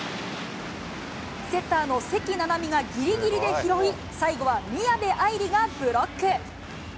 セッターの関ななみがぎりぎりで拾い、最後は宮部あいりがブロック。